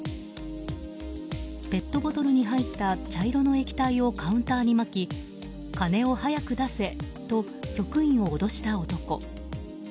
ペットボトルに入った茶色の液体をカウンターにまき金を早く出せと局員を脅した男。